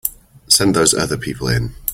Send those other people in.